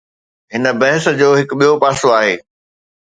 هن بحث جو هڪ ٻيو پاسو آهي.